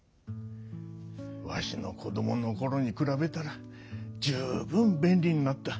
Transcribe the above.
わしのこどものころに比べたら十分便利になった。